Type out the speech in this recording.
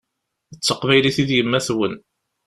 D taqbaylit i d yemma-twen.